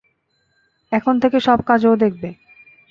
এখন থেকে সব কাজ ও দেখবে।